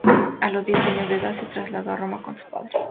A los diez años de edad se trasladó a Roma con su padre.